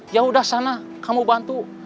ya udah sana kamu bantu